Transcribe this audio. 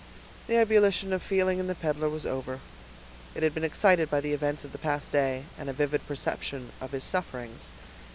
The ebullition of feeling in the peddler was over. It had been excited by the events of the past day, and a vivid perception of his sufferings.